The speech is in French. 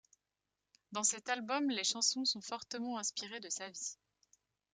Dans cet album les chansons sont fortement inspirées de sa vie.